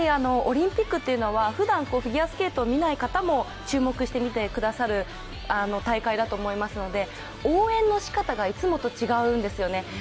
オリンピックというのはふだん、フィギュアスケートを見ない方も注目して見てくださる大会だと思いますので応援のしかたがいつもと違うんですよね。